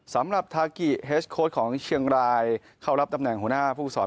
สำหรับทากิเฮสโค้ดของเชียงรายเข้ารับตำแหน่งหัวหน้าผู้สอน